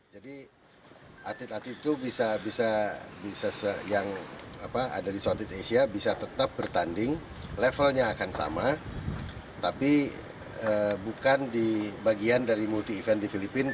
jadi atlet atlet itu yang ada di sea bisa tetap bertanding levelnya akan sama tapi bukan di bagian dari multi event di filipina